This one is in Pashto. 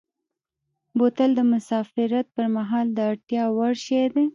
بوتل د مسافرت پر مهال د اړتیا وړ شی دی.